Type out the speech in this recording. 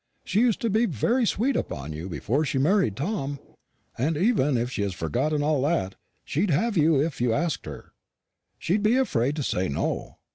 She used to be very sweet upon you before she married Tom; and even if she has forgotten all that, she'd have you if you asked her. She'd be afraid to say no.